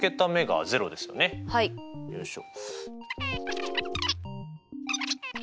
よいしょ。